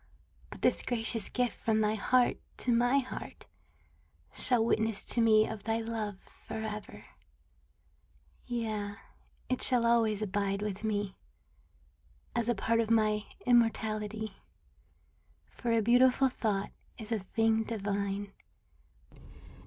But this gracious gift from thy heart to my heart Shall witness to me of thy love forever; Yea, it shall always abide with me As a part of my immortality ; For a beautiful thought is a thing divine.